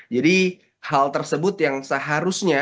jadi hal tersebut yang seharusnya